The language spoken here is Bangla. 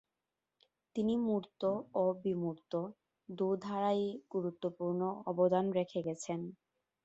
তিনি মূর্ত ও বিমূর্ত দু-ধারায়ই গুরুত্বপূর্ণ অবদান রেখে গেছেন।